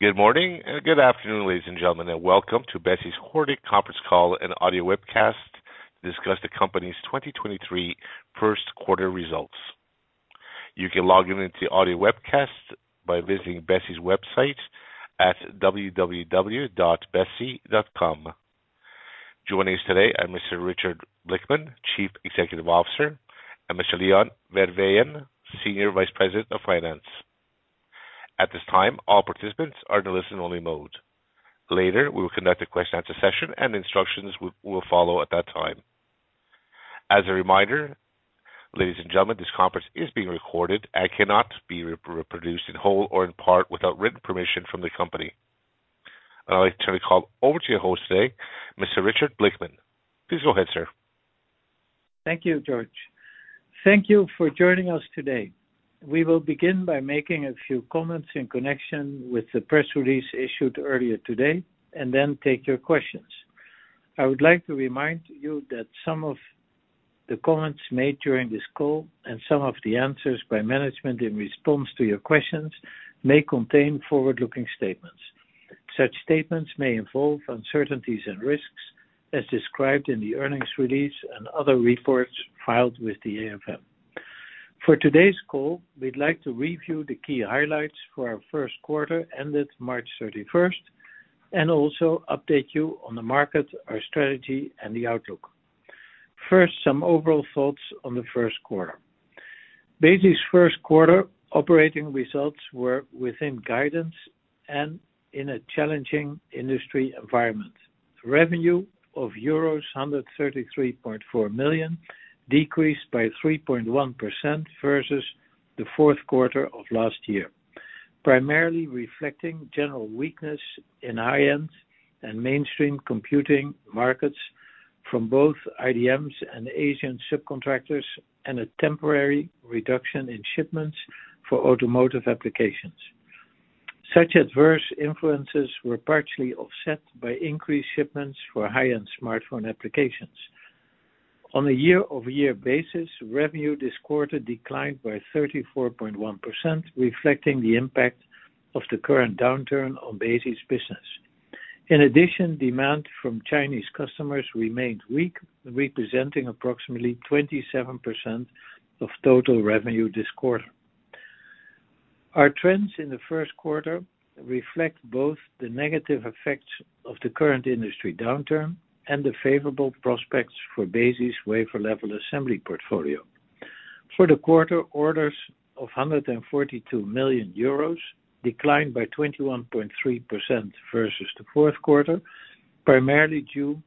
Good morning and good afternoon, ladies and gentlemen, welcome to Besi's quarterly conference call and audio webcast to discuss the company's 2023 Q1 results. You can log in into the audio webcast by visiting Besi's website at www.besi.com. Joining us today are Mr. Richard Blickman, Chief Executive Officer, and Mr. Leon Verweijen, Senior Vice President of Finance. At this time, all participants are in listen only mode. Later, we will conduct a question and answer session. Instructions will follow at that time. As a reminder, ladies and gentlemen, this conference is being recorded and cannot be reproduced in whole or in part without written permission from the company. I'd like to turn the call over to your host today, Mr. Richard Blickman. Please go ahead, sir. Thank you, George. Thank you for joining us today. We will begin by making a few comments in connection with the press release issued earlier today and then take your questions. I would like to remind you that some of the comments made during this call and some of the answers by management in response to your questions may contain forward-looking statements. Such statements may involve uncertainties and risks as described in the earnings release and other reports filed with the AFM. For today's call, we'd like to review the key highlights for our Q1 ended March 31st, and also update you on the market, our strategy, and the outlook. First, some overall thoughts on the Q1. Besi's Q1 operating results were within guidance and in a challenging industry environment. Revenue of euros 133.4 million decreased by 3.1% versus the Q4 of last year, primarily reflecting general weakness in high end and mainstream computing markets from both IDMs and Asian subcontractors, and a temporary reduction in shipments for automotive applications. Such adverse influences were partially offset by increased shipments for high-end smartphone applications. On a year-over-year basis, revenue this quarter declined by 34.1%, reflecting the impact of the current downturn on Besi's business. In addition, demand from Chinese customers remained weak, representing approximately 27% of total revenue this quarter. Our trends in the Q1 reflect both the negative effects of the current industry downturn and the favorable prospects for Besi's wafer level assembly portfolio. For the quarter, orders of 142 million euros declined by 21.3% versus the Q4, primarily due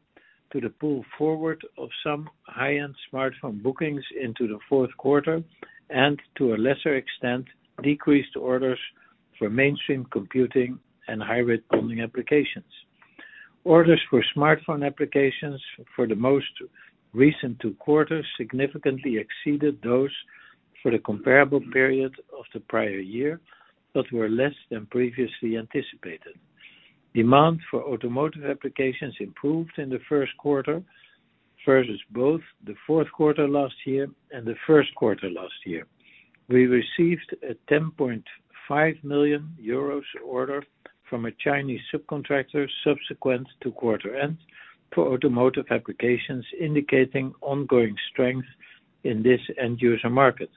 to the pull forward of some high-end smartphone bookings into the Q4, and to a lesser extent, decreased orders for mainstream computing and hybrid bonding applications. Orders for smartphone applications for the most recent two quarters significantly exceeded those for the comparable period of the prior year, but were less than previously anticipated. Demand for automotive applications improved in the Q1 versus both the Q4 last year and the Q1 last year. We received a 10.5 million euros order from a Chinese subcontractor subsequent to quarter end for automotive applications, indicating ongoing strength in this end user market.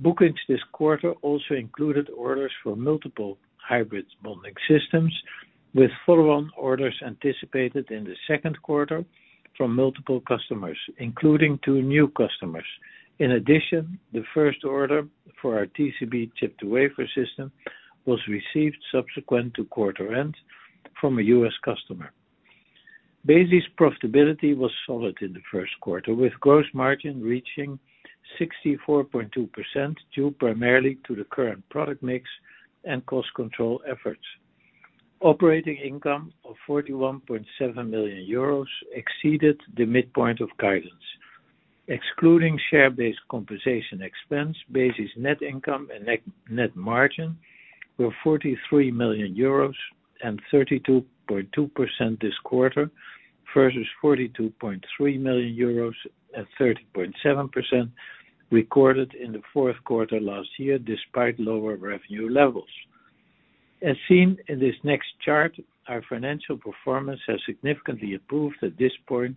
Bookings this quarter also included orders for multiple hybrid bonding systems, with follow on orders anticipated in the Q2 from multiple customers, including two new customers. In addition, the first order for our TCB chip to wafer system was received subsequent to quarter end from a U.S. customer. Besi's profitability was solid in the Q1, with gross margin reaching 64.2%, due primarily to the current product mix and cost control efforts. Operating income of 41.7 million euros exceeded the midpoint of guidance. Excluding share-based compensation expense, Besi's net income and net margin were 43 million euros and 32.2% this quarter versus 42.3 million euros at 30.7% recorded in the Q4 last year, despite lower revenue levels. As seen in this next chart, our financial performance has significantly improved at this point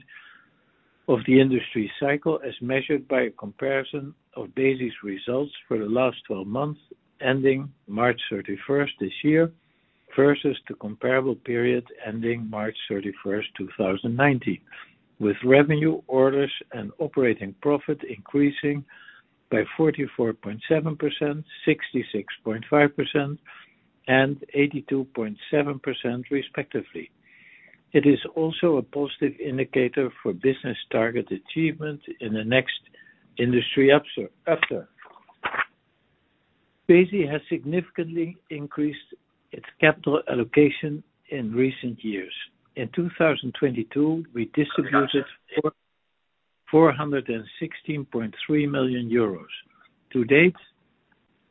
of the industry cycle as measured by a comparison of Besi's results for the last 12 months, ending March 31st this year versus the comparable period ending March 31st, 2019. With revenue orders and operating profit increasing by 44.7%, 66.5%, and 82.7% respectively. It is also a positive indicator for business target achievement in the next industry after. Besi has significantly increased its capital allocation in recent years. In 2022, we distributed 416.3 million euros. To date,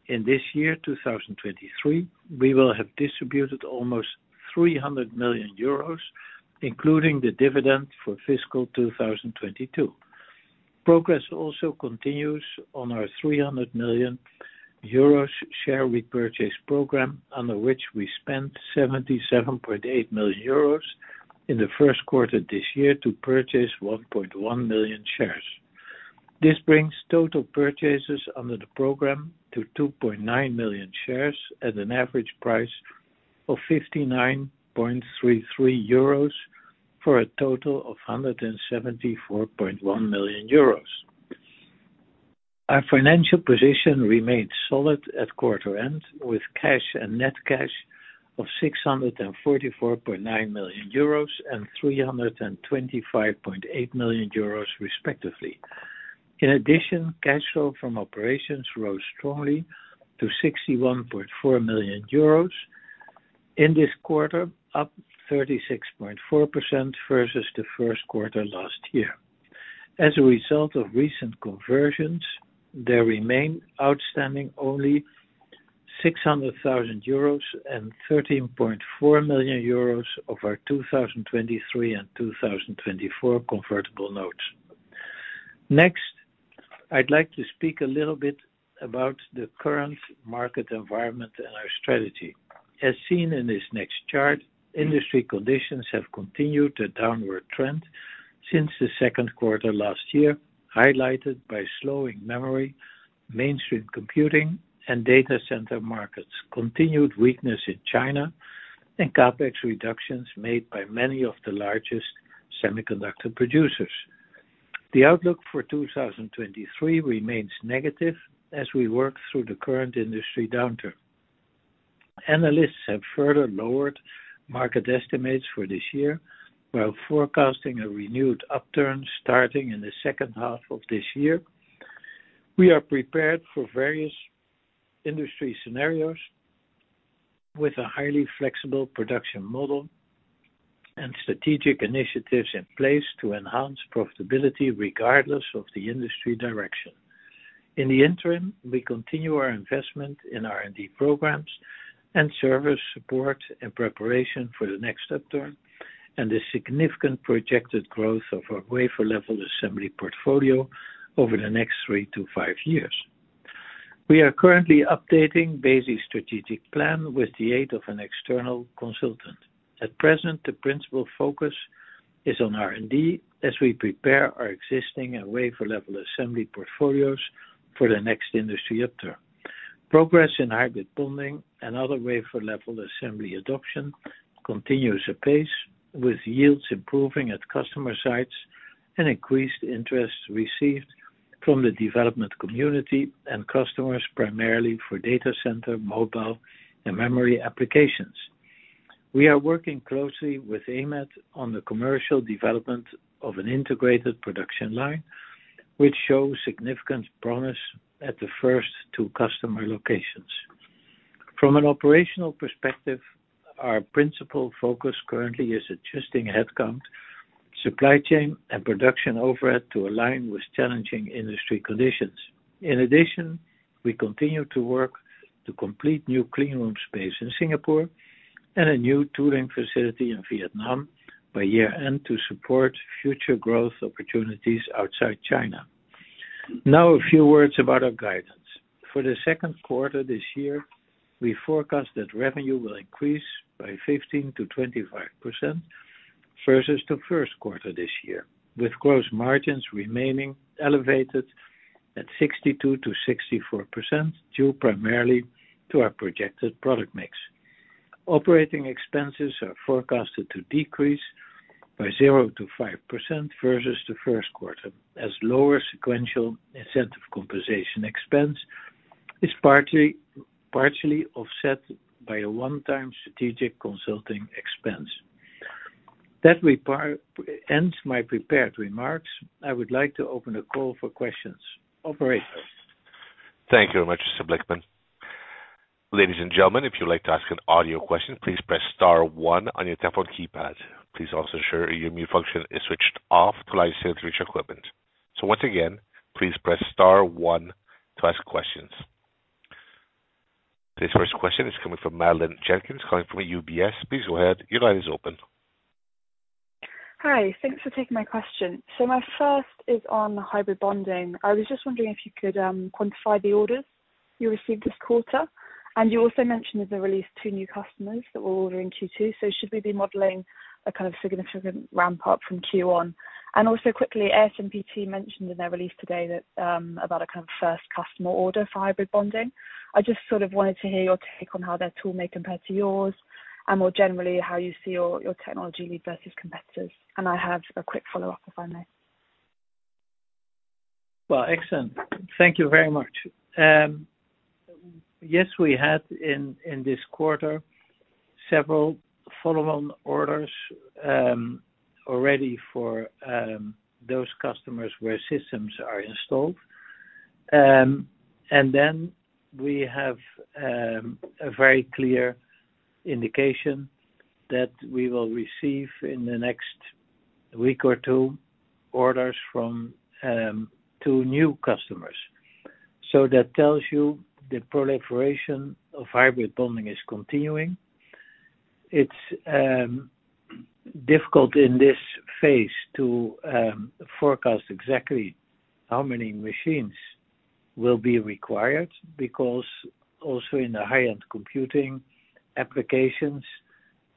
in this year, 2023, we will have distributed almost 300 million euros, including the dividend for fiscal 2022. Progress also continues on our 300 million euros share repurchase program, under which we spent 77.8 million euros in the Q1 this year to purchase 1.1 million shares. This brings total purchases under the program to 2.9 million shares at an average price of 59.33 euros for a total of 174.1 million euros. Our financial position remains solid at quarter end, with cash and net cash of 644.9 million euros and 325.8 million euros, respectively. In addition cash flow from operations rose strongly to 61.4 million euros in this quarter, up 36.4% versus the Q1 last year. As a result of recent conversions, there remain outstanding only 600,000 euros and 13.4 million euros of our 2023 and 2024 Convertible Notes. I'd like to speak a little bit about the current market environment and our strategy. As seen in this next chart, industry conditions have continued a downward trend since the Q2 last year, highlighted by slowing memory, mainstream computing, and data center markets, continued weakness in China, and CapEx reductions made by many of the largest semiconductor producers. The outlook for 2023 remains negative as we work through the current industry downturn. Analysts have further lowered market estimates for this year while forecasting a renewed upturn starting in the second half of this year. We are prepared for various industry scenarios with a highly flexible production model and strategic initiatives in place to enhance profitability regardless of the industry direction. In the interim, we continue our investment in R&D programs and service support in preparation for the next upturn and the significant projected growth of our wafer level assembly portfolio over the next three to five years. We are currently updating Besi strategic plan with the aid of an external consultant. At present, the principal focus is on R&D as we prepare our existing and wafer level assembly portfolios for the next industry upturn. Progress in hybrid bonding and other wafer level assembly adoption continues apace, with yields improving at customer sites and increased interest received from the development community and customers, primarily for data center, mobile, and memory applications. We are working closely with AMAT on the commercial development of an integrated production line, which shows significant promise at the first two customer locations. From an operational perspective, our principal focus currently is adjusting headcount, supply chain, and production overhead to align with challenging industry conditions. We continue to work to complete new clean room space in Singapore and a new tooling facility in Vietnam by year-end to support future growth opportunities outside China. A few words about our guidance. For the Q2 this year, we forecast that revenue will increase by 15%-25% versus the Q1 this year, with gross margins remaining elevated at 62%-64%, due primarily to our projected product mix. Operating expenses are forecasted to decrease by 0%-5% versus the Q1, as lower sequential incentive compensation expense is partially offset by a one-time strategic consulting expense. That ends my prepared remarks. I would like to open the call for questions. Operator. Thank you very much, Mr. Blickman. Ladies and gentlemen, if you'd like to ask an audio question, please press star one on your telephone keypad. Please also ensure your mute function is switched off to allow us to reach equipment. Once again, please press star one to ask questions. This first question is coming from Madeleine Jenkins, calling from UBS. Please go ahead. Your line is open. Hi. Thanks for taking my question. My first is on hybrid bonding. I was just wondering if you could quantify the orders you received this quarter. You also mentioned in the release two new customers that were ordering Q2. Should we be modeling a kind of significant ramp-up from Q1? Quickly, ASMPT mentioned in their release today that about a kind of first customer order for hybrid bonding. I just sort of wanted to hear your take on how their tool may compare to yours and more generally, how you see your technology lead versus competitors. I have a quick follow-up, if I may. Well, excellent. Thank you very much. Yes, we had in this quarter several follow-on orders, already for, those customers where systems are installed. We have a very clear indication that we will receive in the next week or two orders from two new customers. That tells you the proliferation of hybrid bonding is continuing. It's difficult in this phase to forecast exactly how many machines will be required, because also in the high-end computing applications,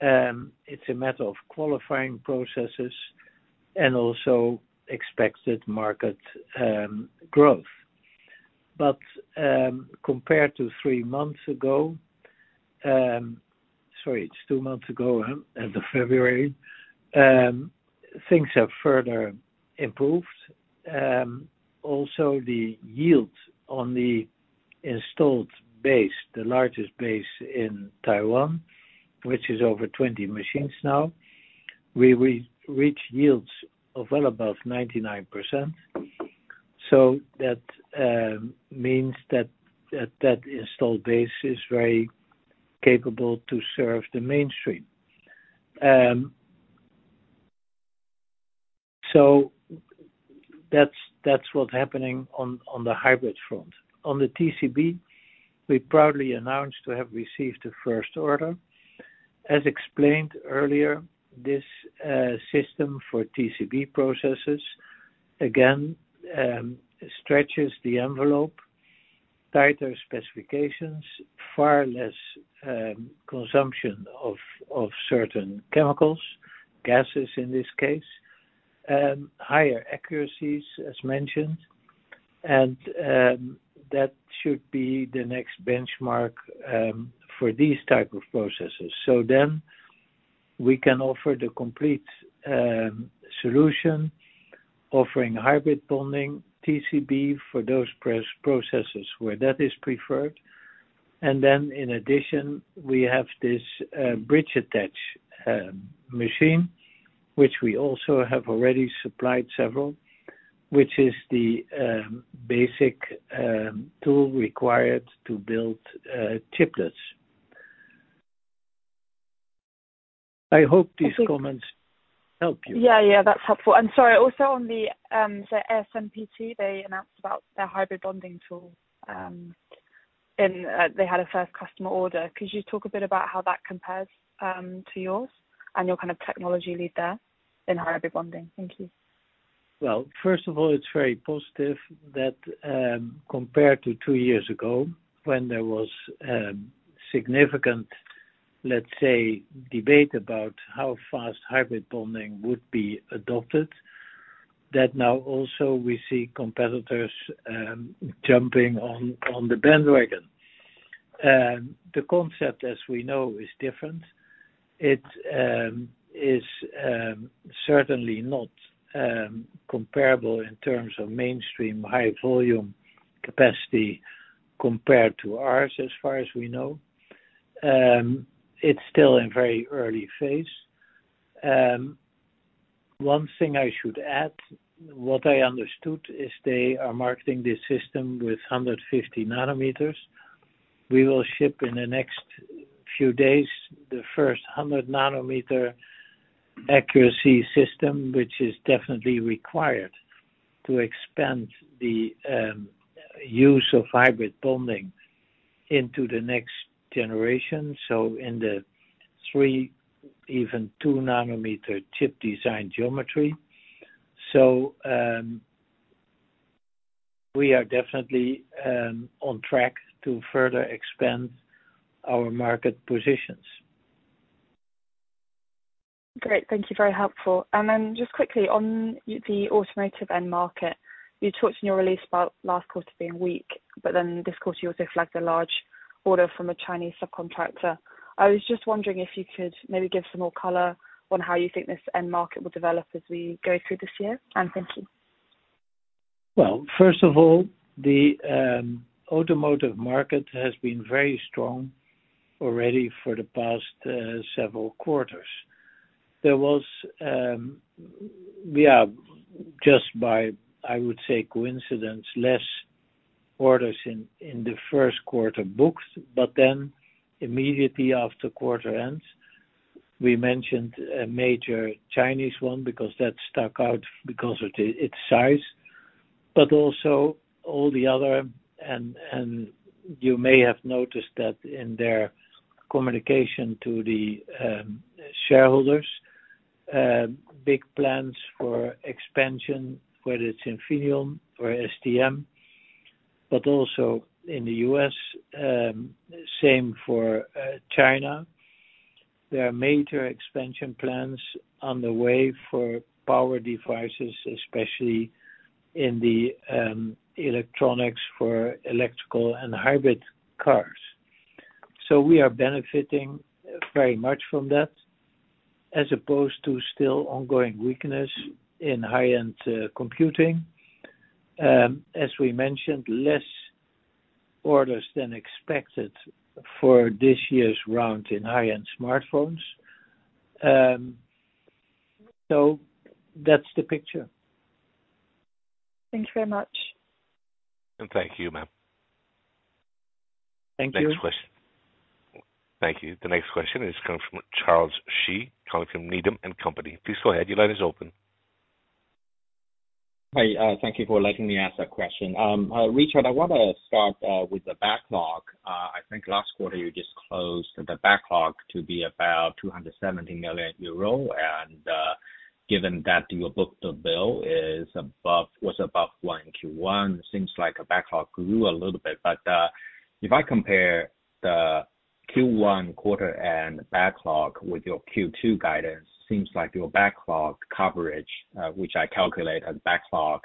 it's a matter of qualifying processes and also expected market growth. Compared to three months ago. Sorry, it's two months ago, as of February. Things have further improved. Also the yields on the installed base, the largest base in Taiwan, which is over 20 machines now, we reached yields of well above 99%, so that means that installed base is very capable to serve the mainstream. So that's what happening on the hybrid front. On the TCB, we proudly announced to have received a first order. As explained earlier, this system for TCB processes, again, stretches the envelope, tighter specifications, far less consumption of certain chemicals, gases in this case, higher accuracies, as mentioned. That should be the next benchmark for these type of processes. We can offer the complete solution, offering hybrid bonding TCB for those press processes where that is preferred. In addition, we have this Bridge Attach machine, which we also have already supplied several, which is the basic tool required to build chiplets. I hope these comments help you. Yeah, yeah, that's helpful. Sorry, also on the ASMPT, they announced about their hybrid bonding tool, and, they had a first customer order. Could you talk a bit about how that compares, to yours and your kind of technology lead there in hybrid bonding? Thank you. First of all, it's very positive that, compared to two years ago, when there was significant, let's say, debate about how fast hybrid bonding would be adopted, that now also we see competitors jumping on the bandwagon. The concept as we know is different. It is certainly not comparable in terms of mainstream high volume capacity compared to ours, as far as we know. It's still in very early phase. One thing I should add, what I understood is they are marketing this system with 150 nanometers. We will ship in the next few days, the first 100 nanometer accuracy system, which is definitely required to expand the use of hybrid bonding into the next generation, so in the three, even two nanometer chip design geometry. We are definitely on track to further expand our market positions. Great. Thank you. Very helpful. Just quickly on the automotive end market, you touched in your release about last quarter being weak, this quarter you also flagged a large order from a Chinese subcontractor. I was just wondering if you could maybe give some more color on how you think this end market will develop as we go through this year. Thank you. First of all, the automotive market has been very strong already for the past several quarters. There was, just by, I would say coincidence, less orders in the Q1 books, but then immediately after quarter ends, we mentioned a major Chinese one because that stuck out because of its size, but also all the other. You may have noticed that in their communication to the shareholders, big plans for expansion, whether it's Infineon or STM, but also in the U.S., same for China. There are major expansion plans on the way for power devices, especially in the electronics for electrical and hybrid cars. We are benefiting very much from that as opposed to still ongoing weakness in high-end computing. As we mentioned, less orders than expected for this year's round in high-end smartphones. That's the picture. Thanks very much. Thank you, ma'am. Thank you. Next question. Thank you. The next question is coming from Charles Shi calling from Needham & Company. Please go ahead. Your line is open. Hi, thank you for letting me ask that question. Richard, I want to start with the backlog. I think last quarter you disclosed the backlog to be about 270 million euro. Given that your book-to-bill was above 1 Q1, seems like a backlog grew a little bit. If I compare the Q1 quarter end backlog with your Q2 guidance, seems like your backlog coverage, which I calculate as backlog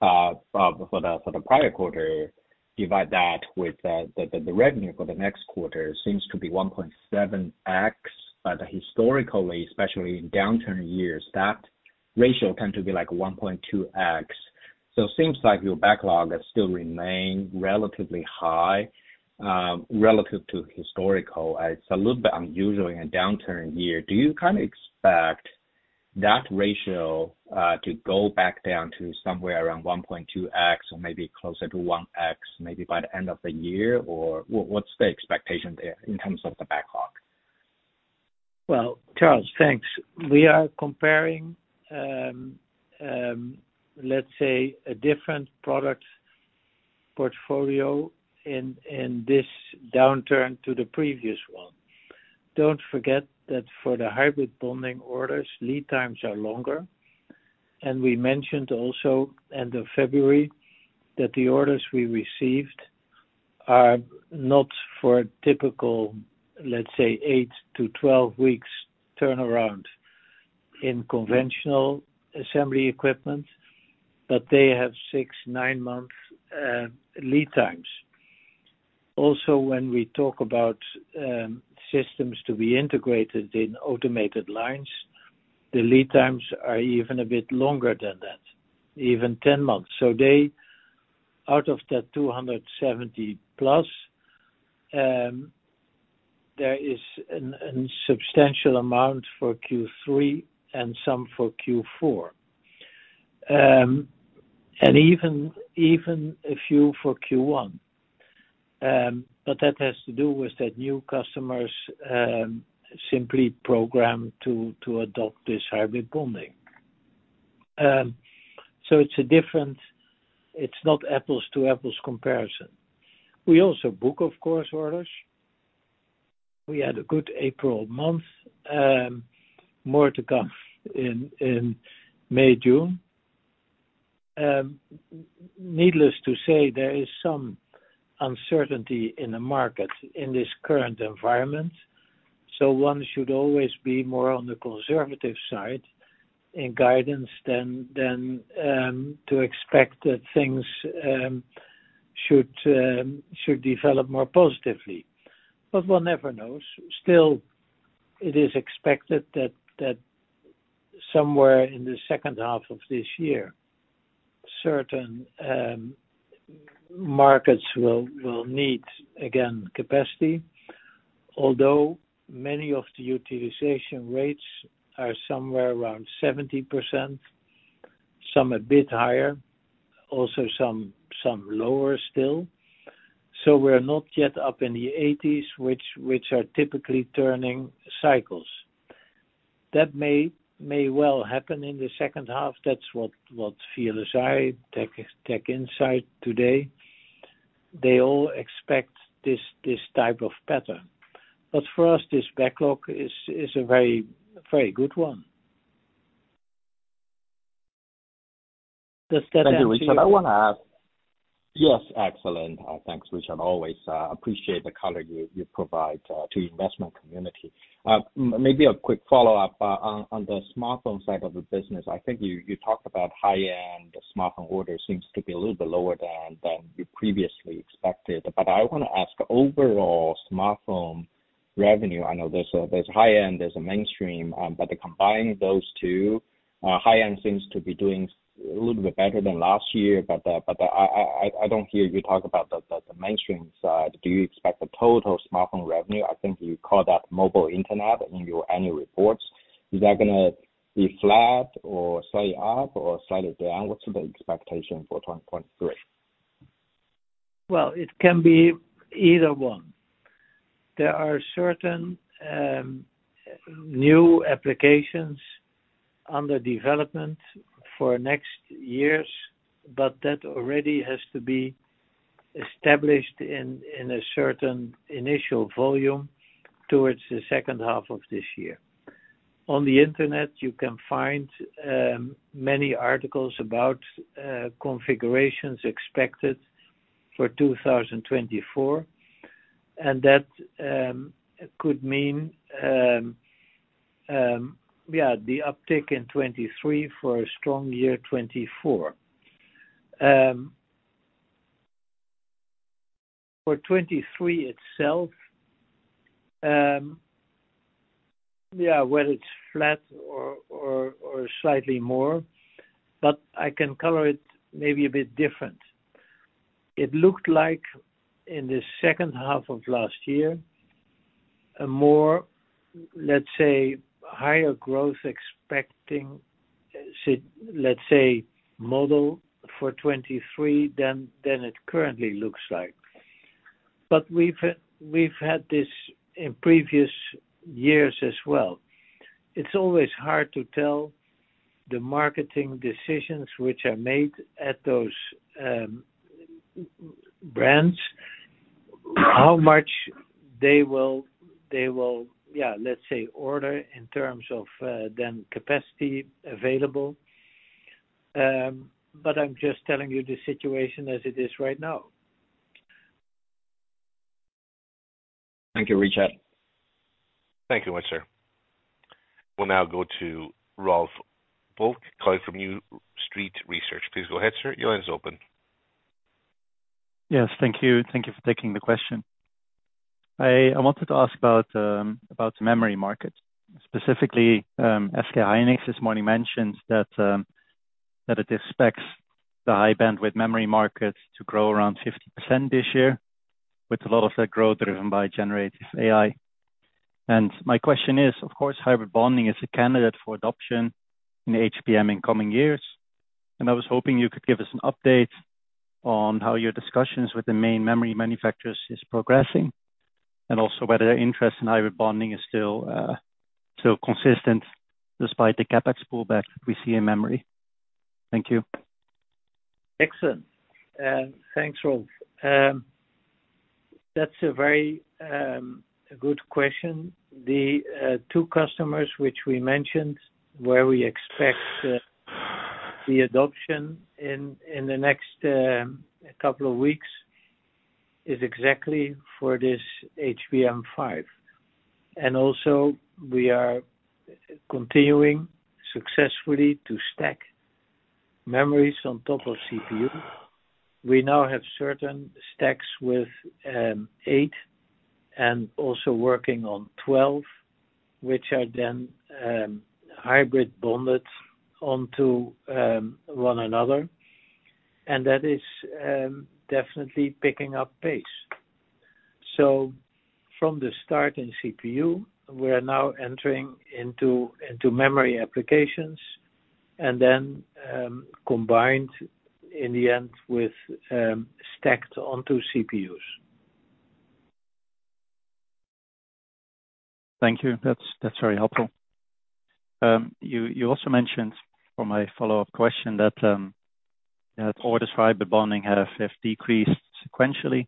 for the prior quarter, divide that with the revenue for the next quarter seems to be 1.7x. Historically, especially in downturn years, that ratio tend to be like 1.2x. Seems like your backlog has still remained relatively high relative to historical. It's a little bit unusual in a downturn year. Do you kind of expect that ratio to go back down to somewhere around 1.2x or maybe closer to 1x maybe by the end of the year? What's the expectation there in terms of the backlog? Well, Charles, thanks. We are comparing, let's say a different product portfolio in this downturn to the previous one. Don't forget that for the hybrid bonding orders, lead times are longer. We mentioned also end of February that the orders we received are not for a typical, let's say, eight to 12 weeks turnaround in conventional assembly equipment, but they have six, nine month lead times. Also, when we talk about systems to be integrated in automated lines, the lead times are even a bit longer than that, even 10 months. They, out of that 270 plus, there is an substantial amount for Q3 and some for Q4. Even a few for Q1. That has to do with the new customers, simply programmed to adopt this hybrid bonding. So it's not apples-to-apples comparison. We also book, of course, orders. We had a good April month, more to come in May, June. Needless to say, there is some uncertainty in the market in this current environment, so one should always be more on the conservative side in guidance than to expect that things should develop more positively. One never knows. Still, it is expected that somewhere in the second half of this year, certain markets will need, again, capacity. Although many of the utilization rates are somewhere around 70%, some a bit higher, also some lower still. We're not yet up in the 80s, which are typically turning cycles. That may well happen in the second half. That's what VLSI Research, TechInsights today, they all expect this type of pattern. For us, this backlog is a very good one. Thank you, Richard. I wanna ask- Does that answer? Yes, excellent. Thanks, Richard. Always appreciate the color you provide to investment community. Maybe a quick follow-up? On the smartphone side of the business, I think you talked about high-end smartphone orders seems to be a little bit lower than you previously expected. I wanna ask, overall smartphone revenue, I know there's high-end, there's a mainstream, but to combine those two, high-end seems to be doing a little bit better than last year. But I don't hear you talk about the mainstream side. Do you expect the total smartphone revenue? I think you call that mobile internet in your annual reports. Is that gonna be flat or slightly up or slightly down? What's the expectation for 2023? Well, it can be either one. There are certain new applications under development for next years, but that already has to be established in a certain initial volume towards the second half of this year. On the Internet, you can find many articles about configurations expected for 2024. That could mean Yeah, the uptick in 2023 for a strong year, 2024. For 2023 itself, yeah, whether it's flat or slightly more. I can color it maybe a bit different. It looked like in the second half of last year, a more, let's say, higher growth expecting, let's say, model for 2023 than it currently looks like. We've had this in previous years as well. It's always hard to tell the marketing decisions which are made at those brands, how much they will, yeah, let's say order in terms of then capacity available. I'm just telling you the situation as it is right now. Thank you, Richard. Thank you, sir. We'll now go to Rolf Bulk calling from New Street Research. Please go ahead, sir. Your line is open. Yes. Thank you. Thank you for taking the question. I wanted to ask about the memory market, specifically, SK hynix this morning mentioned that it expects the high bandwidth memory market to grow around 50% this year, with a lot of that growth driven by generative AI. My question is, of course, hybrid bonding is a candidate for adoption in HBM in coming years, and I was hoping you could give us an update on how your discussions with the main memory manufacturers is progressing, and also whether their interest in hybrid bonding is still consistent despite the CapEx pullback we see in memory. Thank you. Excellent. Thanks, Rolf. That's a very good question. The two customers which we mentioned, where we expect the adoption in the next couple of weeks is exactly for this HBM5. Also we are continuing successfully to stack memories on top of CPU. We now have certain stacks with eight and also working on 12, which are then hybrid bonded onto one another, and that is definitely picking up pace. From the start in CPU, we are now entering into memory applications and then combined in the end with stacked onto CPUs. Thank you. That's very helpful. You also mentioned for my follow-up question that orders for hybrid bonding have decreased sequentially.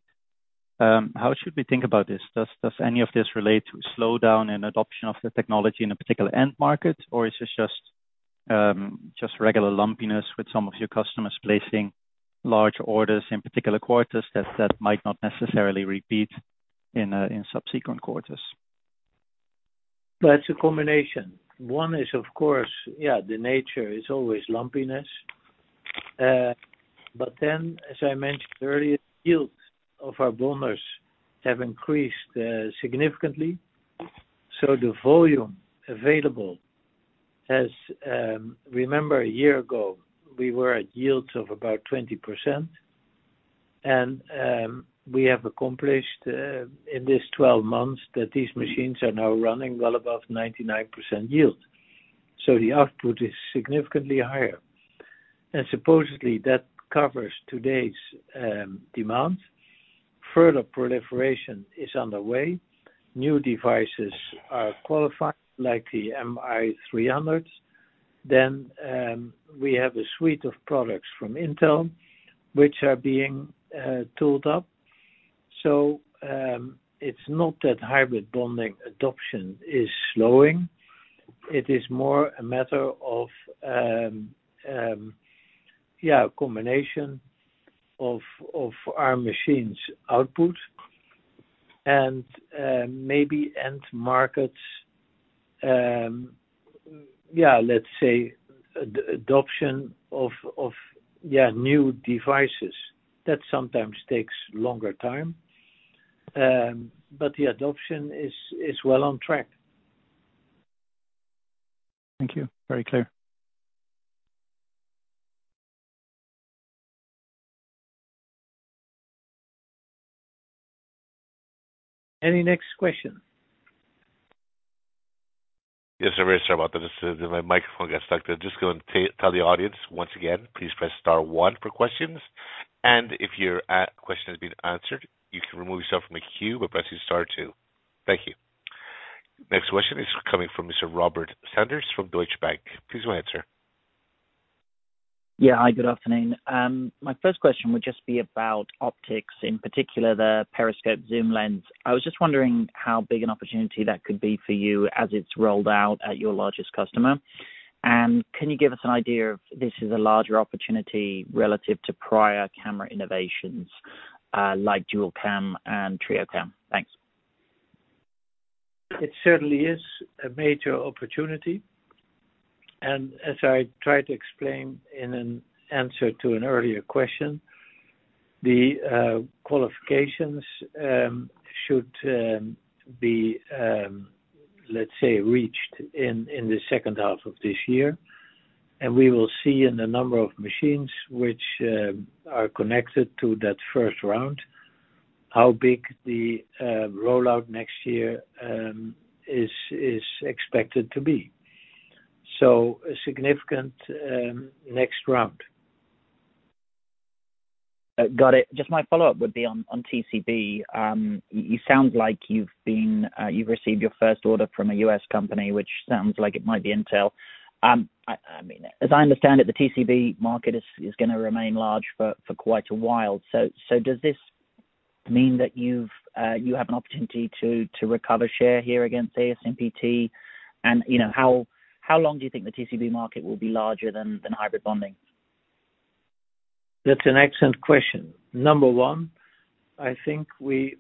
How should we think about this? Does any of this relate to a slowdown in adoption of the technology in a particular end market? Or is this just regular lumpiness with some of your customers placing large orders in particular quarters that might not necessarily repeat in subsequent quarters? That's a combination. One is of course, the nature is always lumpiness. As I mentioned earlier, yields of our bonders have increased significantly. The volume available as, remember a year ago we were at yields of about 20% and, we have accomplished in this 12 months that these machines are now running well above 99% yield. Supposedly that covers today's demand. Further proliferation is on the way. New devices are qualified like the MI300s. We have a suite of products from Intel which are being tooled up. It's not that hybrid bonding adoption is slowing. It is more a matter of a combination of our machines' output and maybe end markets. Let's say adoption of new devices. That sometimes takes longer time, the adoption is well on track. Thank you. Very clear. Any next question? Yes, sir. Very sorry about that. Just my microphone got stuck there. Just going to tell the audience once again, please press star one for questions, if your question has been answered, you can remove yourself from the queue by pressing star two. Thank you. Next question is coming from Mr. Robert Sanders from Deutsche Bank. Please go ahead, sir. Yeah. Hi, good afternoon. My first question would just be about optics, in particular, the periscope zoom lens. I was just wondering how big an opportunity that could be for you as it's rolled out at your largest customer. Can you give us an idea of this is a larger opportunity relative to prior camera innovations, like Duo Cam and Trio Cam? Thanks. It certainly is a major opportunity, and as I tried to explain in an answer to an earlier question, the qualifications should be, let's say, reached in the second half of this year. We will see in the number of machines which are connected to that first round, how big the rollout next year is expected to be. A significant next round. Got it. Just my follow-up would be on TCB. You sound like you've received your first order from a U.S. company, which sounds like it might be Intel. I mean, as I understand it, the TCB market is going to remain large for quite a while. Does this mean that you have an opportunity to recover share here against ASMPT? You know, how long do you think the TCB market will be larger than hybrid bonding? That's an excellent question. Number one, I think we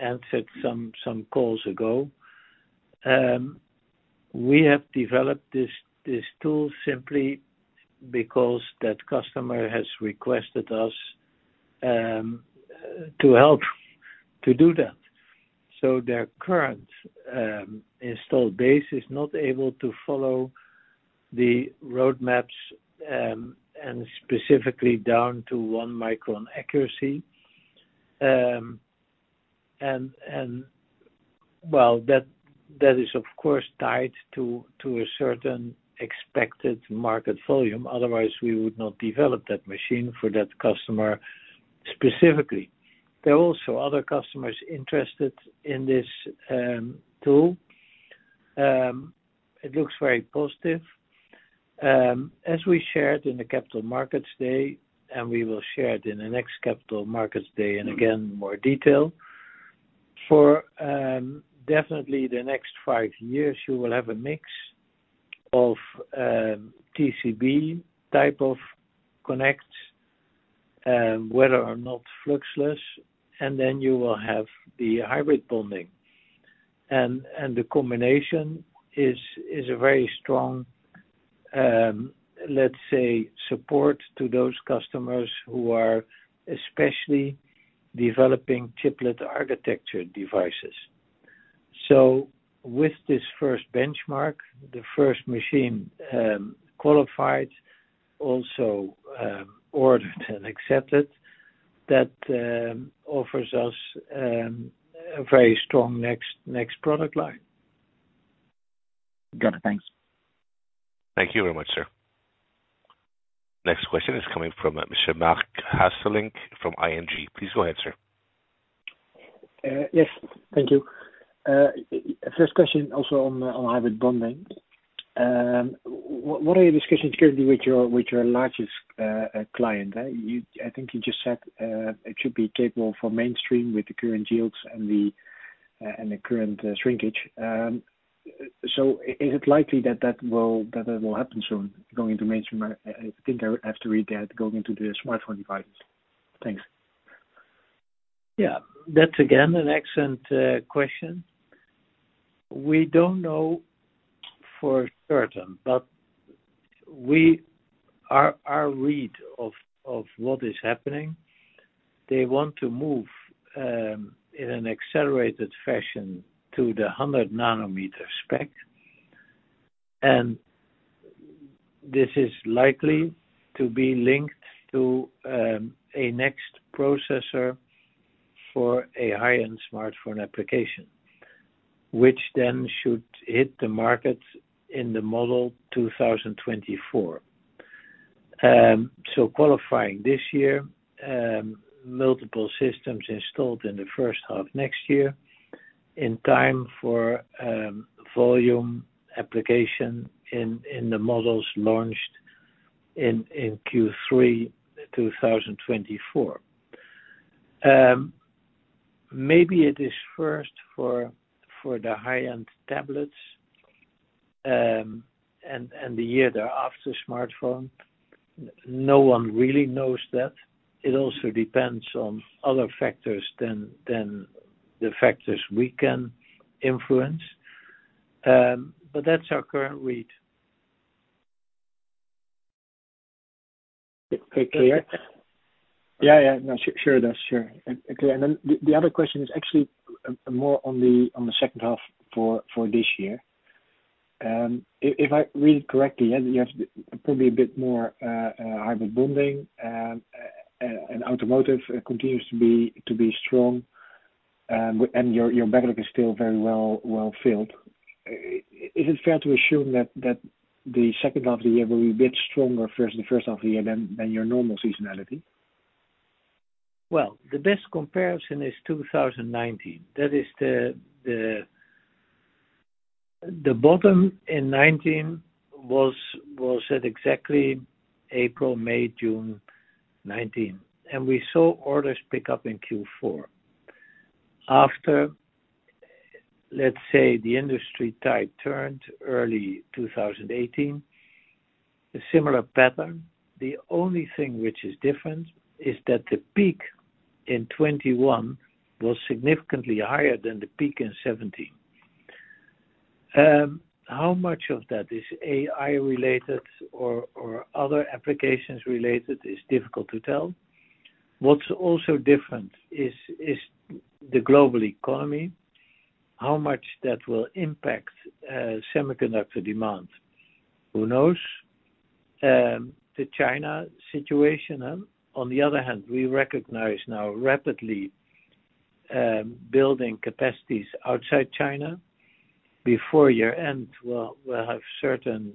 answered some calls ago. We have developed this tool simply because that customer has requested us to help to do that. Their current installed base is not able to follow the roadmaps and specifically down to one micron accuracy. Well, that is, of course, tied to a certain expected market volume. Otherwise, we would not develop that machine for that customer specifically. There are also other customers interested in this tool. It looks very positive. As we shared in the Capital Markets Day, we will share it in the next Capital Markets Day, again, more detail. For definitely the next five years, you will have a mix of TCB type of connects, whether or not fluxless, and then you will have the hybrid bonding. The combination is a very strong, let's say, support to those customers who are especially developing chiplet architecture devices. With this first benchmark, the first machine, qualified also, ordered and accepted, that offers us a very strong next product line. Got it. Thanks. Thank you very much, sir. Next question is coming from Mr. Marc Hesselink from ING. Please go ahead, sir. Yes. Thank you. First question also on hybrid bonding. What are your discussions currently with your largest client? I think you just said, it should be capable for mainstream with the current yields and the current shrinkage. Is it likely that it will happen soon, going into mainstream? I think I have to read that going into the smartphone device. Thanks. That's again an excellent question. We don't know for certain, but we are read of what is happening. They want to move in an accelerated fashion to the 100 nanometer spec, and this is likely to be linked to a next processor for a high-end smartphone application, which then should hit the market in the model 2024. So qualifying this year, multiple systems installed in the first half next year in time for volume application in the models launched in Q3 2024. Maybe it is first for the high-end tablets, and the year they're after smartphone. No one really knows that. It also depends on other factors than the factors we can influence, but that's our current read. Clear? Yeah, yeah. No, sure it does. Sure. Okay. Then the other question is actually more on the second half for this year. If I read it correctly, yeah, you have probably a bit more hybrid bonding. And automotive continues to be strong, and your backlog is still very well filled. Is it fair to assume that the second half of the year will be a bit stronger the first half of the year than your normal seasonality? The best comparison is 2019. That is the bottom in 2019 was at exactly April, May, June 2019, and we saw orders pick up in Q4. After, let's say, the industry tide turned early 2018, a similar pattern. The only thing which is different is that the peak in 2021 was significantly higher than the peak in 2017. How much of that is AI-related or other applications related is difficult to tell. What's also different is the global economy, how much that will impact semiconductor demand. Who knows? The China situation, on the other hand, we recognize now rapidly building capacities outside China. Before year-end, we'll have certain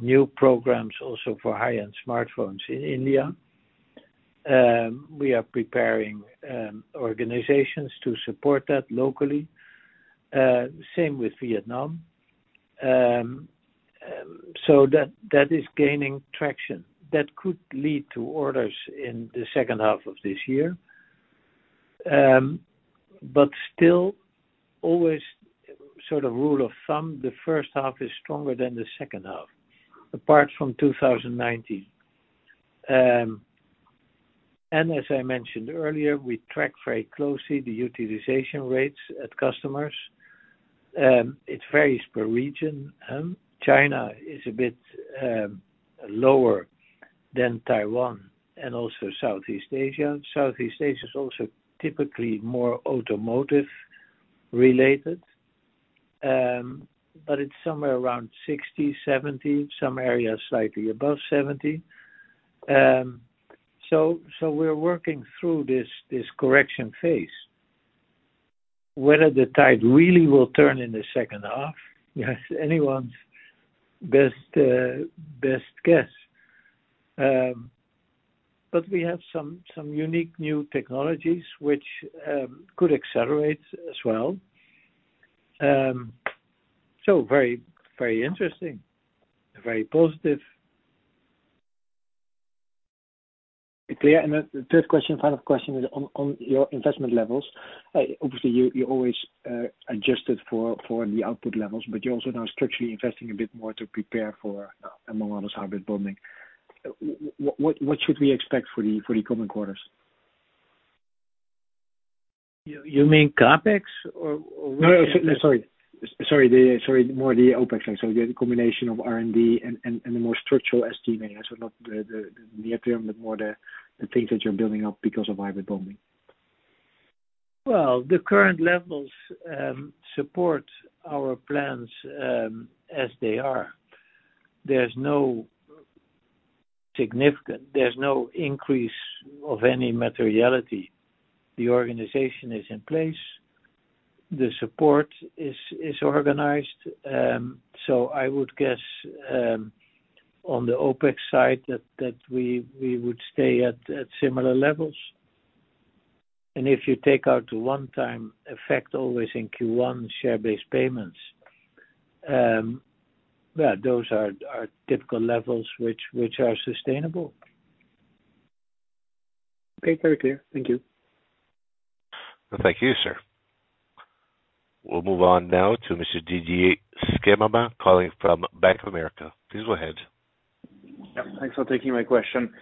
new programs also for high-end smartphones in India. We are preparing organizations to support that locally. Same with Vietnam. That is gaining traction. That could lead to orders in the second half of this year. Still, always sort of rule of thumb, the first half is stronger than the second half, apart from 2019. As I mentioned earlier, we track very closely the utilization rates at customers. It varies per region. China is a bit lower than Taiwan and also Southeast Asia. Southeast Asia is also typically more automotive-related, but it's somewhere around 60, 70, some areas slightly above 70. We're working through this correction phase. Whether the tide really will turn in the second half, yes, anyone's best guess. We have some unique new technologies which could accelerate as well. Very interesting, very positive. Clear. The third question, final question is on your investment levels. Obviously, you always adjusted for the output levels, but you're also now structurally investing a bit more to prepare for among others hybrid bonding. What should we expect for the coming quarters? You mean CapEx or? No. Sorry. Sorry, more the OpEx. The combination of R&D and the more structural SD areas. Not the near-term, but more the things that you're building up because of hybrid bonding. Well, the current levels, support our plans, as they are. There's no significant, there's no increase of any materiality. The organization is in place. The support is organized. I would guess, on the OpEx side that we would stay at similar levels. If you take out the one-time effect always in Q1 share-based payments, yeah, those are typical levels which are sustainable. Okay. Very clear. Thank you. Thank you, sir. We'll move on now to Mr. Didier Scemama, calling from Bank of America. Please go ahead. Thanks for taking my question.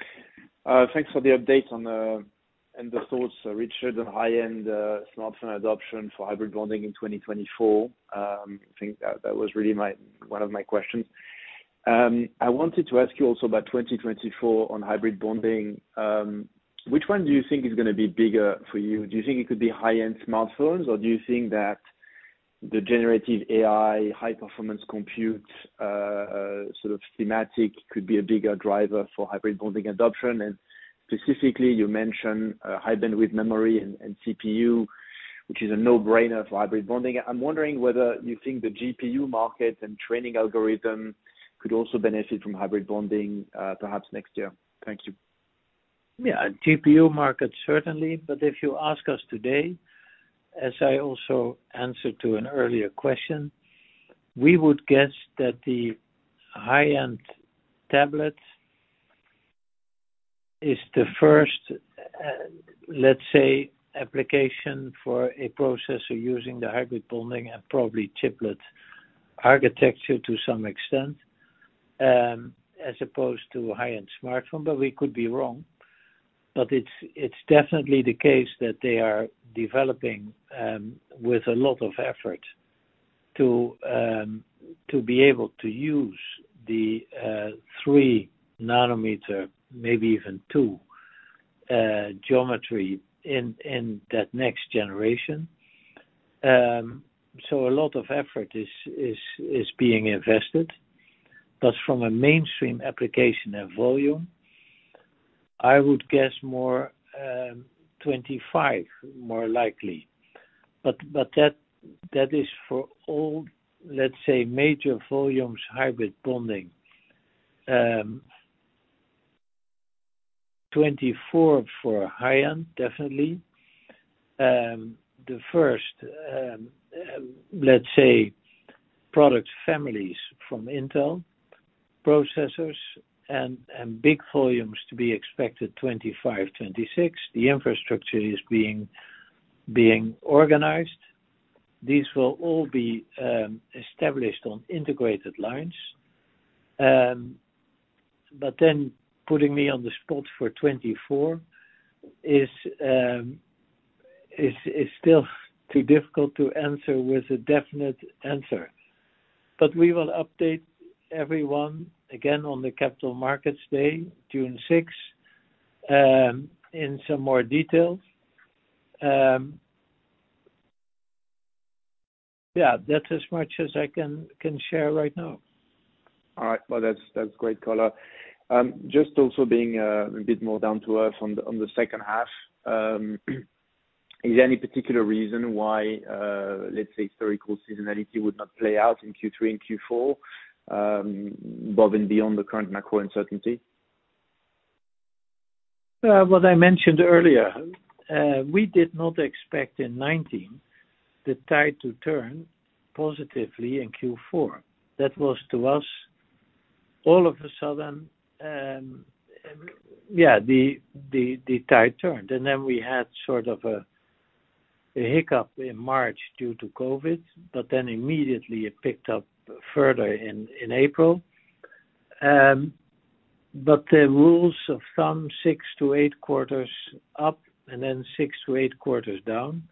Thanks for the update on the, and the thoughts, Richard, on high-end smartphone adoption for hybrid bonding in 2024. I think that was really one of my questions. I wanted to ask you also about 2024 on hybrid bonding. Which one do you think is gonna be bigger for you? Do you think it could be high-end smartphones, or do you think that the generative AI, high-performance compute sort of thematic could be a bigger driver for hybrid bonding adoption? Specifically, you mentioned high bandwidth memory and CPU, which is a no-brainer for hybrid bonding. I'm wondering whether you think the GPU market and training algorithm could also benefit from hybrid bonding, perhaps next year. Thank you. GPU market, certainly. If you ask us today, as I also answered to an earlier question, we would guess that the high-end tablet is the first, let's say, application for a processor using the hybrid bonding and probably chiplet architecture to some extent, as opposed to high-end smartphone, but we could be wrong. It's definitely the case that they are developing with a lot of effort to be able to use the three nanometer, maybe even two, geometry in that next generation. A lot of effort is being invested. From a mainstream application and volume, I would guess more 2025, more likely. But that is for all, let's say, major volumes, hybrid bonding. 2024 for high-end, definitely. The first, let's say, product families from Intel processors and big volumes to be expected 2025, 2026. The infrastructure is being organized. These will all be established on integrated lines. Putting me on the spot for 2024 is still too difficult to answer with a definite answer. We will update everyone again on the Capital Markets Day, June 6, in some more details. Yeah, that's as much as I can share right now. All right. Well, that's great color. Just also being a bit more down to earth on the, on the second half. Is there any particular reason why, let's say, historical seasonality would not play out in Q3 and Q4, above and beyond the current macro uncertainty? What I mentioned earlier, we did not expect in 19 the tide to turn positively in Q4. That was to us, all of a sudden, the tide turned. We had sort of a hiccup in March due to COVID. Immediately it picked up further in April. The rules of thumb, six to eight quarters up and then six to eight quarters down.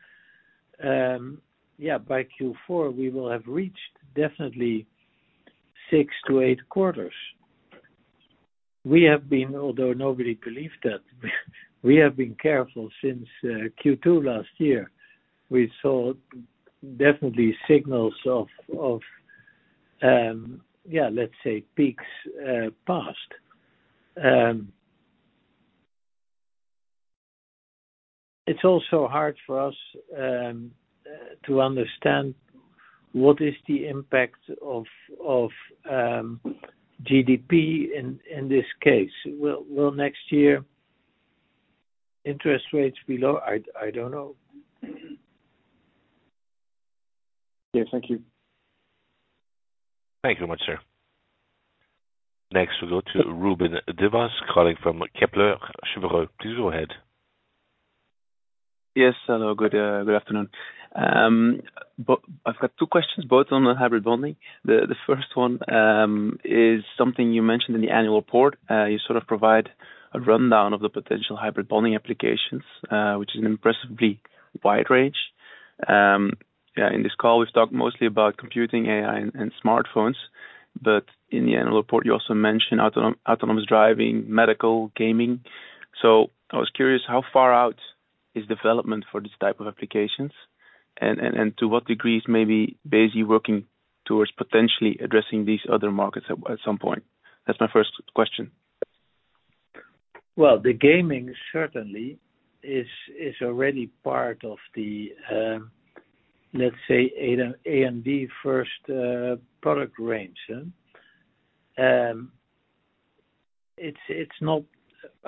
By Q4, we will have reached definitely six to eight quarters. We have been, although nobody believed that, we have been careful since Q2 last year. We saw definitely signals of, let's say peaks past. It's also hard for us to understand what is the impact of GDP in this case. Will next year interest rates be low? I don't know. Yes. Thank you. Thank you very much, sir. Next, we'll go to Ruben Devos calling from Kepler Cheuvreux. Please go ahead. Yes, hello. Good afternoon. I've got two questions, both on the hybrid bonding. The first one, is something you mentioned in the annual report. You sort of provide a rundown of the potential hybrid bonding applications, which is an impressively wide range. Yeah, in this call, we've talked mostly about computing, AI and smartphones, but in the annual report, you also mentioned autonomous driving, medical, gaming. I was curious, how far out is development for these type of applications and to what degree is maybe Besi working towards potentially addressing these other markets at some point? That's my first question. The gaming certainly is already part of the, let's say AMD first product range.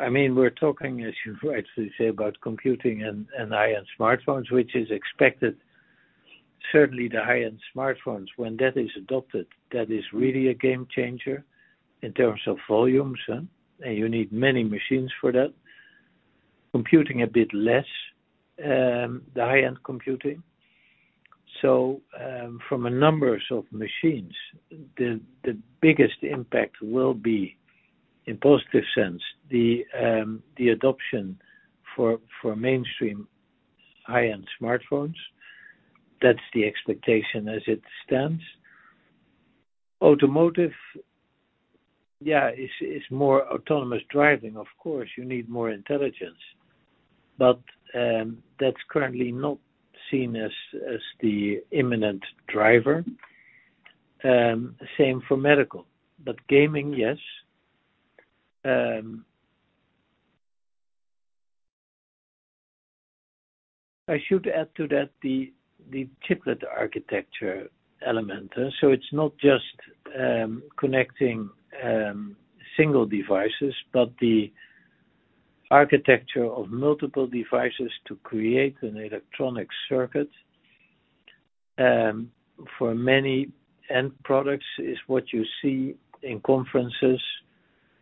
I mean, we're talking, as you rightly say, about computing and high-end smartphones, which is expected. Certainly the high-end smartphones, when that is adopted, that is really a game changer in terms of volumes, and you need many machines for that. Computing a bit less, the high-end computing. From a numbers of machines, the biggest impact will be, in positive sense, the adoption for mainstream high-end smartphones. That's the expectation as it stands. Automotive, yeah, is more autonomous driving. Of course, you need more intelligence. That's currently not seen as the imminent driver. Same for medical. Gaming, yes. I should add to that the chiplet architecture element. It's not just connecting single devices, but the architecture of multiple devices to create an electronic circuit, for many end products is what you see in conferences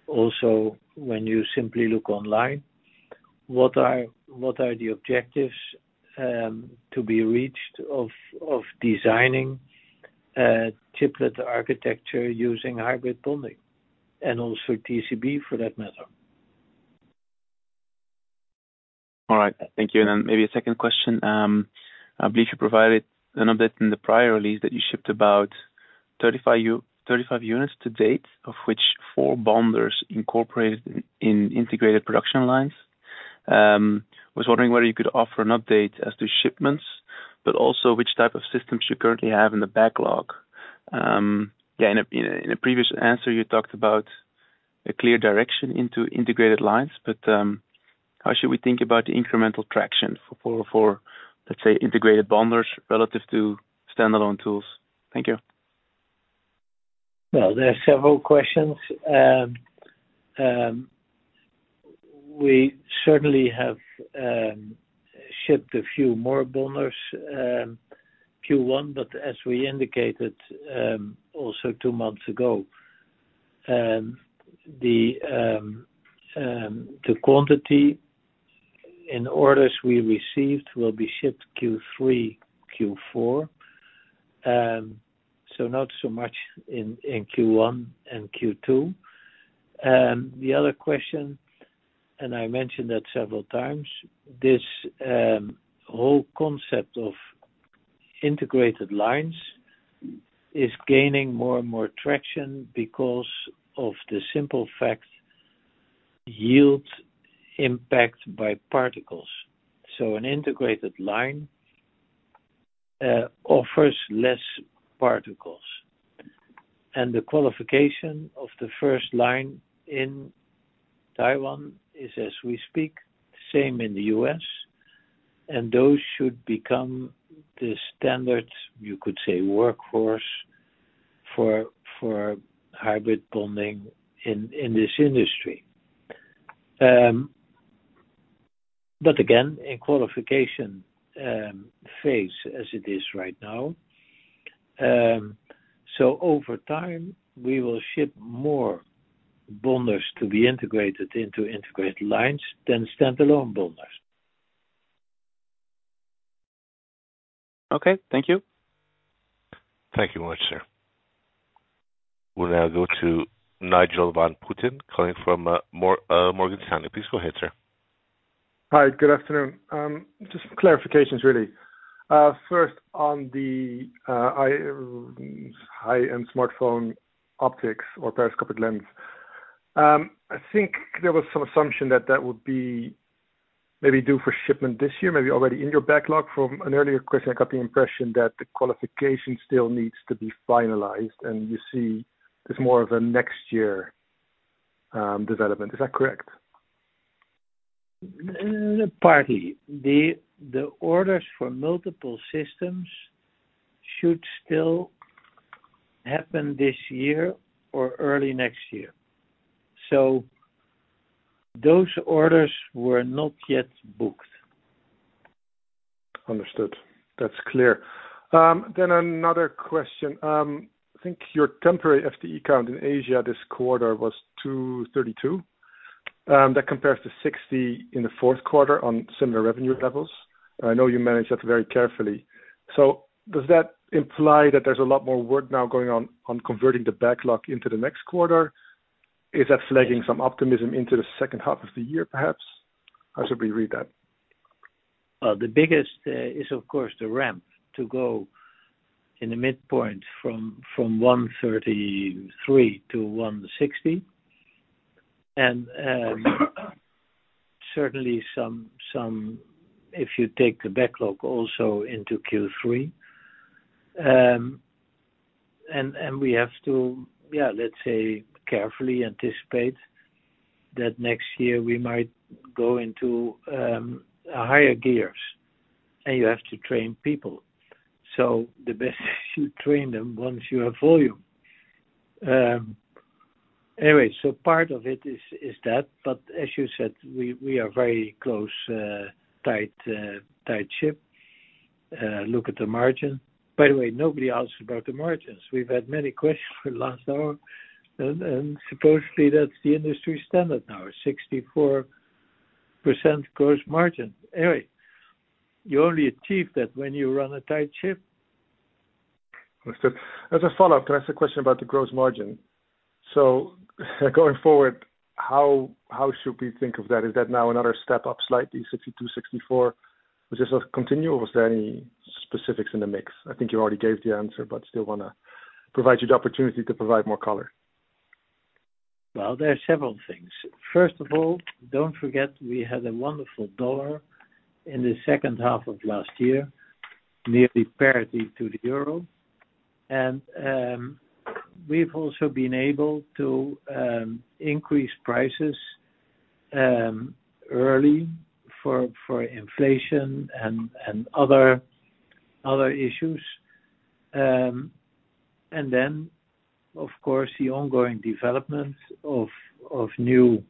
also when you simply look online, what are the objectives to be reached of designing a chiplet architecture using hybrid bonding and also TCB for that matter. All right. Thank you. Maybe a second question. I believe you provided an update in the prior release that you shipped about 35 units to date, of which four bonders incorporated in integrated production lines. was wondering whether you could offer an update as to shipments, but also which type of systems you currently have in the backlog. yeah, in a previous answer, you talked about a clear direction into integrated lines, but, how should we think about the incremental traction for, let's say, integrated bonders relative to standalone tools? Thank you. Well, there are several questions. We certainly have shipped a few more bonders Q1, but as we indicated also two months ago, the quantity in orders we received will be shipped Q3, Q4. Not so much in Q1 and Q2. The other question, and I mentioned that several times, this whole concept of integrated lines is gaining more and more traction because of the simple fact yield impact by particles. An integrated line offers less particles, and the qualification of the first line in Taiwan is as we speak, same in the U.S. Those should become the standard, you could say, workforce for hybrid bonding in this industry. But again, in qualification phase as it is right now. Over time we will ship more bonders to be integrated into integrated lines than standalone bonders. Okay. Thank you. Thank you much, sir. We'll now go to Nigel van Putten calling from Morgan Stanley. Please go ahead, sir. Hi. Good afternoon. Just clarifications really. First on the high-end smartphone optics or periscopic lens. I think there was some assumption that that would be maybe due for shipment this year, maybe already in your backlog. From an earlier question, I got the impression that the qualification still needs to be finalized and you see this more of a next year development. Is that correct? Partly. The orders for multiple systems should still happen this year or early next year. Those orders were not yet booked. Understood. That's clear. Another question. I think your temporary FTE count in Asia this quarter was 232, that compares to 60 in the Q4 on similar revenue levels. I know you managed that very carefully. Does that imply that there's a lot more work now going on converting the backlog into the next quarter? Is that flagging some optimism into the second half of the year, perhaps? How should we read that? Well, the biggest is of course the ramp to go in the midpoint from 133 to 160. Certainly some. If you take the backlog also into Q3. We have to, yeah, let's say carefully anticipate that next year we might go into a higher gears, and you have to train people. The best you train them once you have volume. Anyway, part of it is that but as you said, we are very close, tight ship. Look at the margin. By the way, nobody asks about the margins. We've had many questions for the last hour and supposedly that's the industry standard now, 64% gross margin. Anyway, you only achieve that when you run a tight ship. Understood. As a follow-up to ask a question about the gross margin. Going forward, how should we think of that? Is that now another step up, slightly 62%-64%? Does this continue or was there any specifics in the mix? I think you already gave the answer, but still wanna provide you the opportunity to provide more color. Well, there are several things. First of all, don't forget we had a wonderful dollar in the second half of last year, nearly parity to the Euro. We've also been able to increase prices early for inflation and other issues. Of course, the ongoing development of new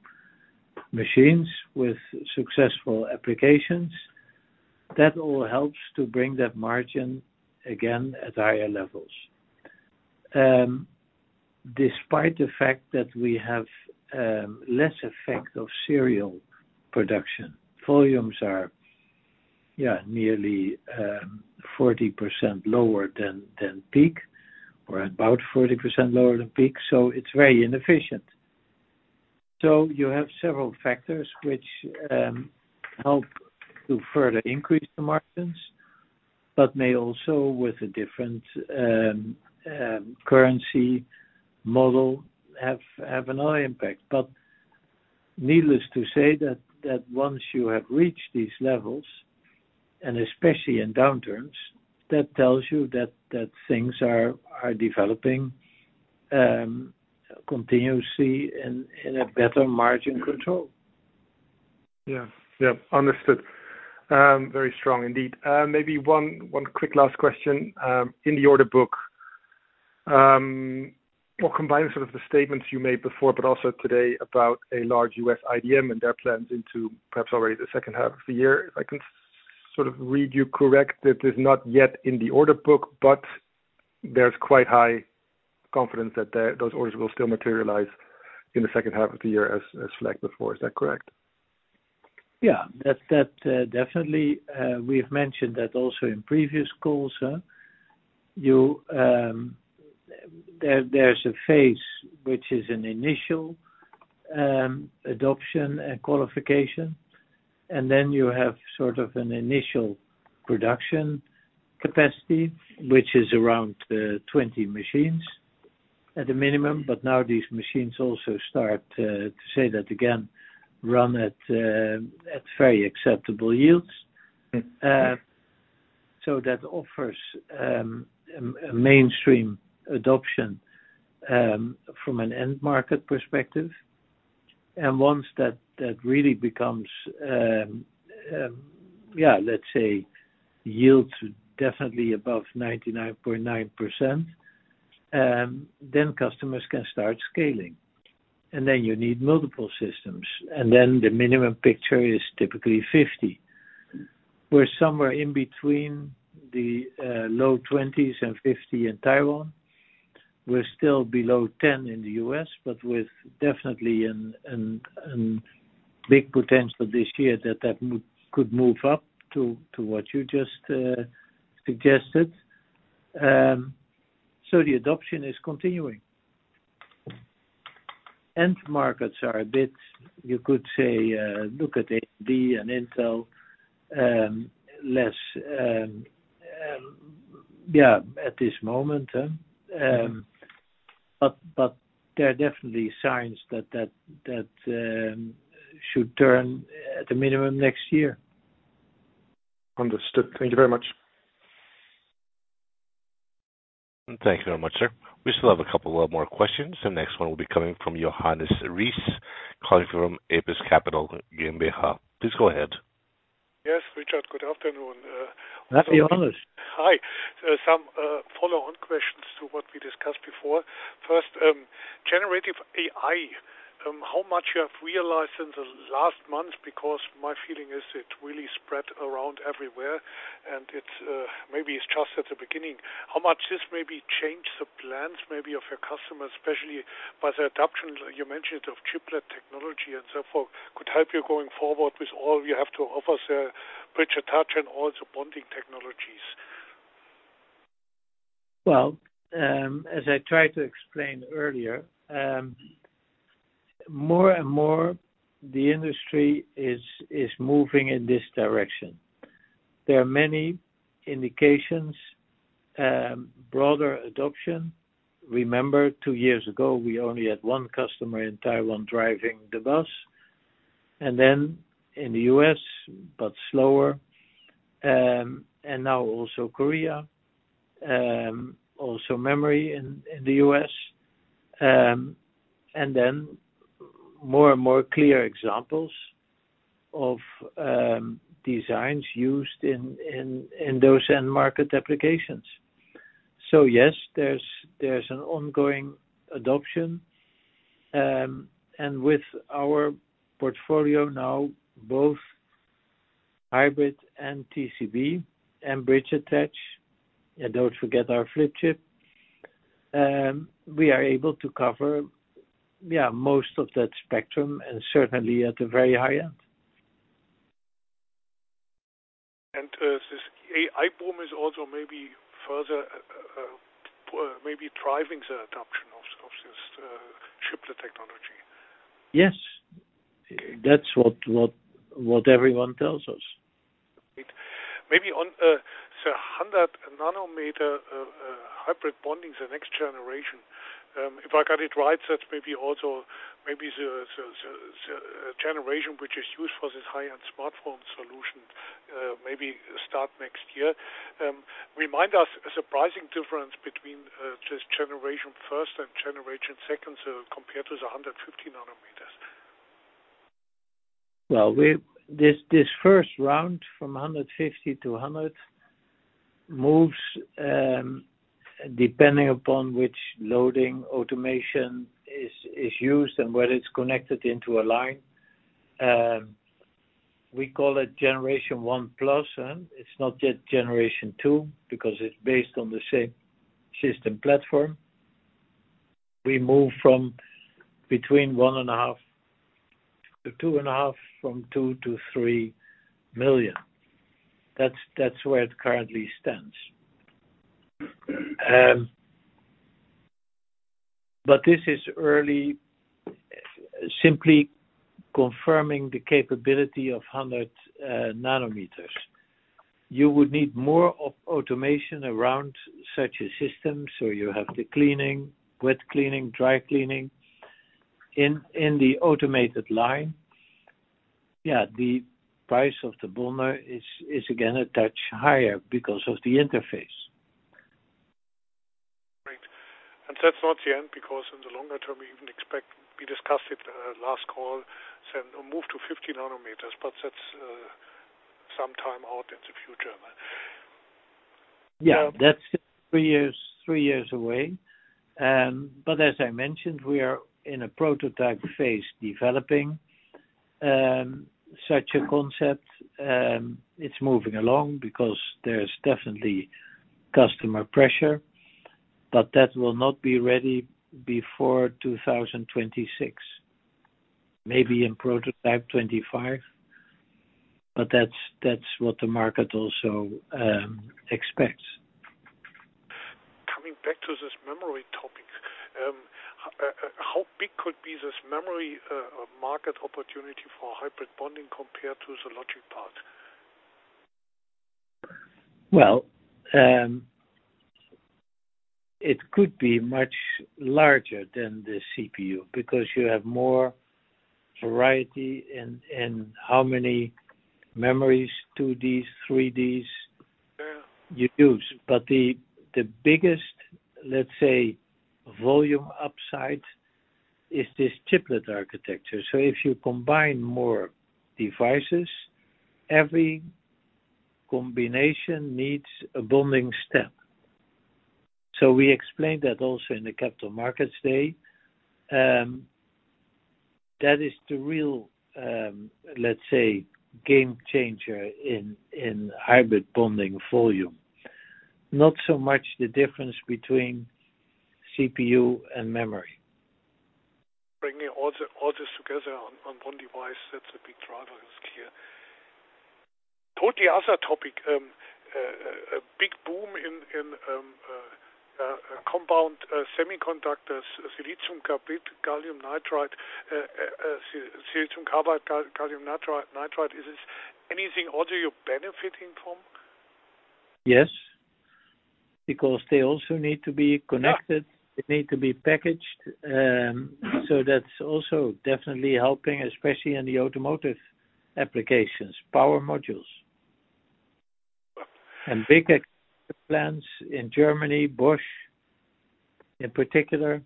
machines with successful applications. That all helps to bring that margin again at higher levels. Despite the fact that we have less effect of serial production, volumes are, yeah, nearly 40% lower than peak, or about 40% lower than peak, so it's very inefficient. You have several factors which help to further increase the margins, but may also with a different currency model have another impact. Needless to say that once you have reached these levels, and especially in downturns, that tells you that things are developing continuously in a better margin control. Yeah. Yeah. Understood. Very strong indeed. Maybe one quick last question in the order book. Combine sort of the statements you made before but also today about a large U.S. IDM and their plans into perhaps already the second half of the year. If I can sort of read you correct, that is not yet in the order book, but there's quite high confidence that those orders will still materialize in the second half of the year as flagged before. Is that correct? Yeah. That, definitely, we've mentioned that also in previous calls. You, there's a phase which is an initial adoption and qualification. Then you have sort of an initial production capacity, which is around, 20 machines at a minimum. Now these machines also start to say that again, run at very acceptable yields. That offers a mainstream adoption from an end market perspective. Once that really becomes yields definitely above 99.9%, customers can start scaling. You need multiple systems. The minimum picture is typically 50. We're somewhere in between the low twenties and 50 in Taiwan. We're still below 10 in the U.S. with definitely an big potential this year that could move up to what you just suggested. The adoption is continuing. End markets are a bit, you could say, look at AMD and Intel, less at this moment. There are definitely signs that should turn at the minimum next year. Understood. Thank you very much. Thank you very much, sir. We still have a couple of more questions. The next one will be coming from Johannes Ries, calling from APUS Capital GmbH. Please go ahead. Yes, Richard. Good afternoon. Hi, Johannes. Hi. Some follow-on questions to what we discussed before. First, generative AI, how much you have realized in the last months, because my feeling is it really spread around everywhere, and it, maybe it's just at the beginning. How much this maybe changed the plans maybe of your customers, especially by the adoption, you mentioned, of chiplet technology and so forth, could help you going forward with all you have to offer, sir, bridge attach and also bonding technologies? Well, as I tried to explain earlier, more and more the industry is moving in this direction. There are many indications, broader adoption. Remember, two years ago, we only had one customer in Taiwan driving the bus. Then in the U.S., but slower, and now also Korea. Also memory in the U.S. And then more and more clear examples of designs used in those end market applications. Yes, there's an ongoing adoption. With our portfolio now, both hybrid and TCB and bridge attach, and don't forget our flip chip, we are able to cover, yeah, most of that spectrum and certainly at the very high end. This AI boom is also maybe further maybe driving the adoption of this chiplet technology. Yes. That's what everyone tells us. Maybe on the 100 nanometer hybrid bonding, the next generation, if I got it right, that's maybe also maybe the generation which is used for this high-end smartphone solution, maybe start next year. Remind us a surprising difference between this generation first and generation second, so compared to the 150 nanometers. Well, this first round from 150 to 100 moves, depending upon which loading automation is used and whether it's connected into a line. We call it Generation 1+. It's not yet Generation 2, because it's based on the same system platform. We move from between 1.5 million, 2.5 million, from 2 million to 3 million. That's where it currently stands. This is early, simply confirming the capability of 100 nanometers. You would need more of automation around such a system, you have the cleaning, wet cleaning, dry cleaning. In the automated line, yeah, the price of the bonder is again a touch higher because of the interface. Right. That's not the end because in the longer term, We discussed it, last call, said move to 50 nanometers, that's some time out in the future, right? Yeah. That's three years away. As I mentioned, we are in a prototype phase developing such a concept. It's moving along because there's definitely customer pressure. That will not be ready before 2026. Maybe in prototype 2025, but that's what the market also expects. Back to this memory topic. How big could be this memory market opportunity for Hybrid bonding compared to the logic part? Well, it could be much larger than the CPU because you have more variety in how many memories, 2Ds, 3Ds. Yeah You use. The biggest, let's say, volume upside is this chiplet architecture. If you combine more devices, every combination needs a bonding step. We explained that also in the Capital Markets Day. That is the real, let's say, game changer in hybrid bonding volume. Not so much the difference between CPU and memory. Bringing all this together on one device, that's a big driver, it's clear. Totally other topic, a big boom in compound semiconductors, silicon carbide, gallium nitride, silicon carbide, gallium nitride. Is this anything also you're benefiting from? Yes, because they also need to be connected. Yeah. They need to be packaged. That's also definitely helping, especially in the automotive applications, power modules. Big plans in Germany, Bosch in particular.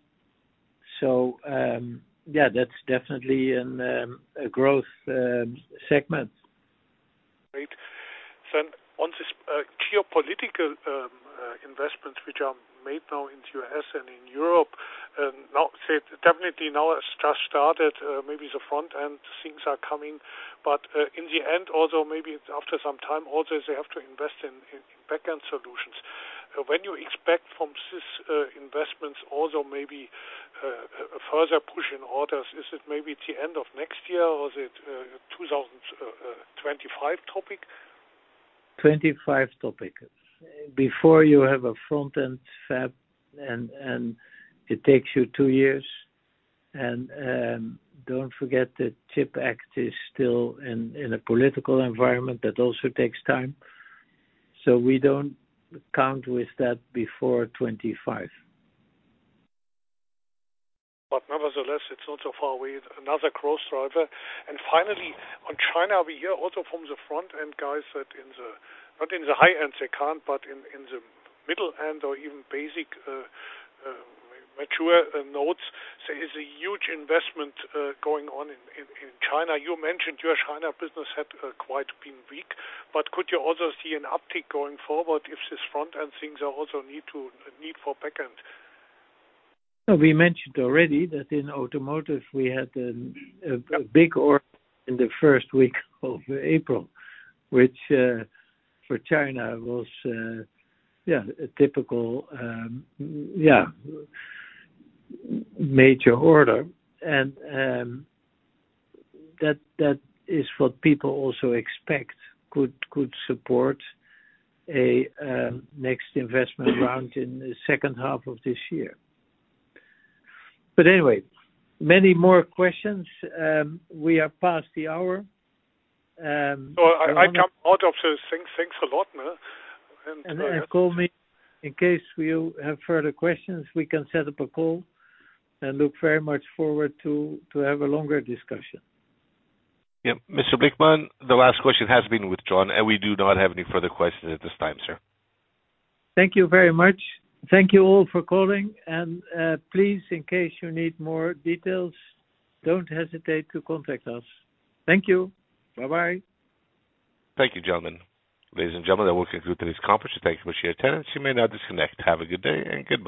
Yeah, that's definitely a growth segment. Great. On this geopolitical investments which are made now in U.S. and in Europe, now, say, definitely now has just started, maybe the front-end things are coming, but in the end, although maybe after some time, also they have to invest in backend solutions. When you expect from these investments also maybe a further push in orders, is it maybe at the end of next year, or is it 2025 topic? 2025 topic. Before you have a front-end fab and it takes you two years. Don't forget the CHIPS Act is still in a political environment, that also takes time. We don't count with that before 2025. Nevertheless, it's not so far with another growth driver. Finally, on China, we hear also from the front-end guys that not in the high-end, they can't, but in the middle end or even basic, mature nodes, there is a huge investment going on in China. You mentioned your China business had quite been weak, but could you also see an uptick going forward if this front-end things are also need to, a need for backend? We mentioned already that in automotive, we had a big order in the first week of April, which for China was a typical major order. That is what people also expect could support a next investment round in the second half of this year. Anyway, many more questions. We are past the hour. No, I come out of the things. Thanks a lot. Call me in case you have further questions, we can set up a call, and look very much forward to have a longer discussion. Yep. Mr. Blickman, the last question has been withdrawn. We do not have any further questions at this time, sir. Thank you very much. Thank you all for calling. Please, in case you need more details, don't hesitate to contact us. Thank you. Bye-bye. Thank you, gentlemen. Ladies and gentlemen, that will conclude today's conference. Thank you for your attendance. You may now disconnect. Have a good day and good night.